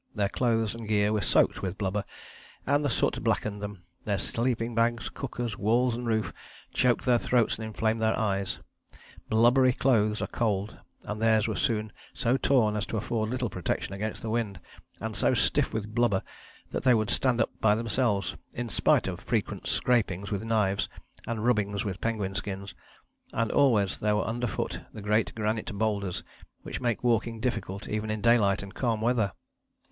Their clothes and gear were soaked with blubber, and the soot blackened them, their sleeping bags, cookers, walls and roof, choked their throats and inflamed their eyes. Blubbery clothes are cold, and theirs were soon so torn as to afford little protection against the wind, and so stiff with blubber that they would stand up by themselves, in spite of frequent scrapings with knives and rubbings with penguin skins, and always there were underfoot the great granite boulders which made walking difficult even in daylight and calm weather.